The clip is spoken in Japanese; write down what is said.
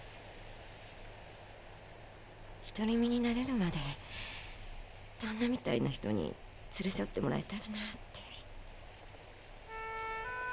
独り身に慣れるまで旦那みたいな人に連れ添ってもらえたらなあって。